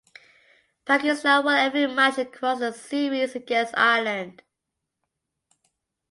Pakistan won every match across their series against Ireland.